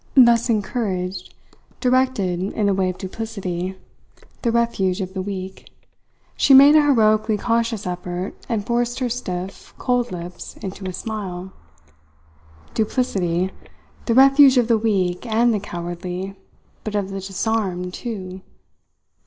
Thus encouraged, directed in the way of duplicity, the refuge of the weak, she made a heroically conscious effort and forced her stiff, cold lips into a smile. Duplicity the refuge of the weak and the cowardly, but of the disarmed, too!